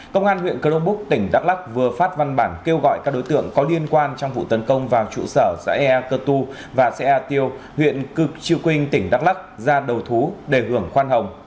công an huyện cơ đông búc tỉnh đắk lắc vừa phát văn bản kêu gọi các đối tượng có liên quan trong vụ tấn công vào trụ sở giãi ea cơ tu và xã ea tiêu huyện cực triều quynh tỉnh đắk lắc ra đầu thú để hưởng khoan hồng